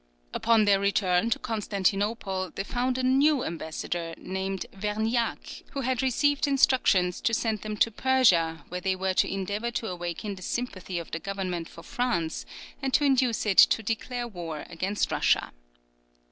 Upon their return to Constantinople they found a new ambassador, named Verninac, who had received instructions to send them to Persia, where they were to endeavour to awaken the sympathy of the government for France, and to induce it to declare war against Russia.